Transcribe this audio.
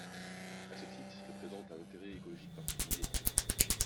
À ce titre, il présente un intérêt écologique particulier.